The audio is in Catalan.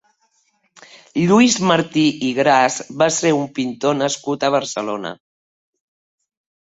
Lluís Martí i Gras va ser un pintor nascut a Barcelona.